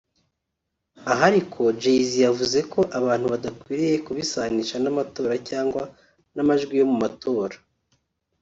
Aha ariko Jay-Z yavuze ko abantu badakwiye kubisanisha n’amatora cyangwa n’amajwi yo mu matora